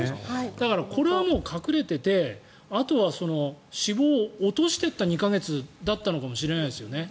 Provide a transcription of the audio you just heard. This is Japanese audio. だからこれはもう隠れててあとは脂肪を落としていった２か月だったのかもしれないですよね。